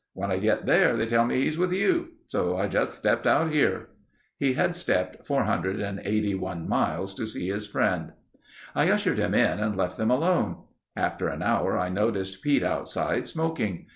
When I get there they tell me he's with you. So I just stepped out here." He had "stepped" 481 miles to see his friend. I ushered him in and left them alone. After an hour I noticed Pete outside, smoking.